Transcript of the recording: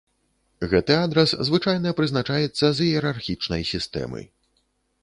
Гэты адрас звычайна прызначаецца з іерархічнай сістэмы.